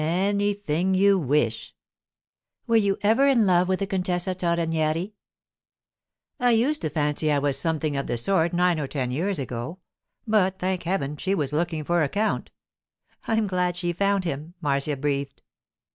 'Anything you wish.' 'Were you ever in love with the Contessa Torrenieri?' 'I used to fancy I was something of the sort nine or ten years ago. But, thank heaven, she was looking for a count.' 'I'm glad she found him!' Marcia breathed.